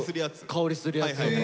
香りするやつとか。